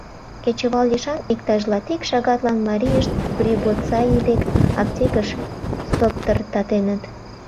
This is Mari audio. Кечывал лишан, иктаж латик шагатлан, марийышт Прибоцаи дек аптекыш соптыртатеныт.